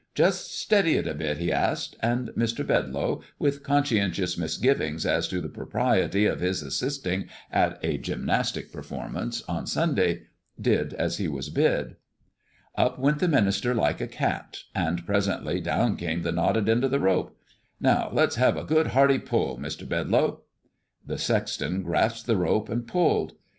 "Just steady it a bit," he asked; and Mr. Bedlow, with conscientious misgivings as to the propriety of his assisting at a gymnastic performance on Sunday, did as he was bid. Up went the minister like a cat; and presently down came the knotted end of the rope. "Now, let's have a good, hearty pull, Mr. Bedlow." The sexton grasped the rope and pulled.